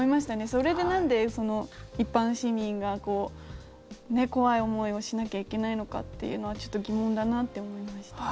それで、なんで一般市民が怖い思いをしなきゃいけないのかってのはちょっと疑問だなと思いました。